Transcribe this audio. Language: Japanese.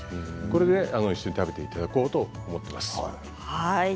これと一緒に食べていただこうと思っています。